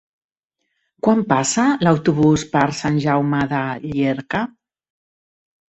Quan passa l'autobús per Sant Jaume de Llierca?